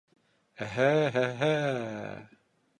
— Эһһе-һе-һе!